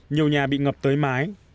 nhiều nhà bị ngập tới mái